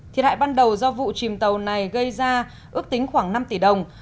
thiệt hại ban đầu do vụ chìm tàu này gây ra ước tính khoảng năm tỷ đồng